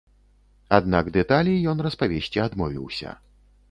Аднак дэталі ён распавесці адмовіўся.